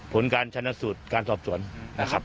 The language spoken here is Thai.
ผลการชันสุดการสอบจวนนะครับ